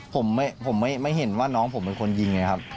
ผมไม่เห็นว่าน้องผมเป็นคนยิงไงครับ